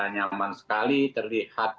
nyaman sekali terlihat